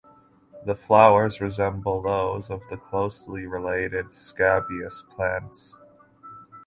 The flowers resemble those of the closely related scabious plants.